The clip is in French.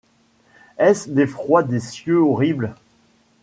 Est-ce l’effroi des cieux horribles